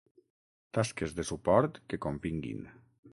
Tasques de suport que convinguin.